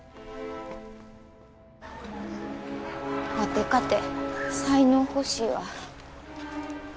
ワテかて才能欲しいわ。